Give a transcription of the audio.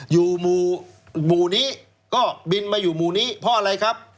อยู่หมู่นี้ก็บินมาอยู่หมู่นี้เพราะอะไรครับ